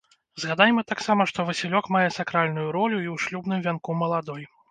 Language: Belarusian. Згадайма таксама, што васілёк мае сакральную ролю і ў шлюбным вянку маладой.